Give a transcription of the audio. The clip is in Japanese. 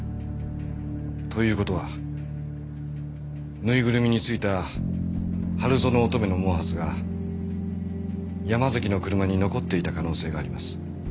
という事はぬいぐるみについた春薗乙女の毛髪が山崎の車に残っていた可能性があります。